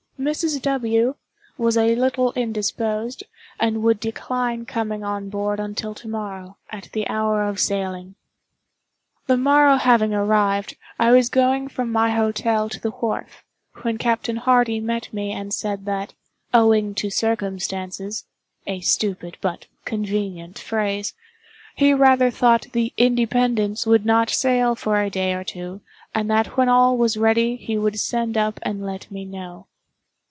"Mrs. W. was a little indisposed, and would decline coming on board until to morrow, at the hour of sailing." The morrow having arrived, I was going from my hotel to the wharf, when Captain Hardy met me and said that, "owing to circumstances" (a stupid but convenient phrase), "he rather thought the 'Independence' would not sail for a day or two, and that when all was ready, he would send up and let me know."